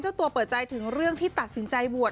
เจ้าตัวเปิดใจถึงเรื่องที่ตัดสินใจบวช